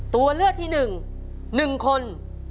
ตัวเลือกที่หนึ่งหนึ่งคน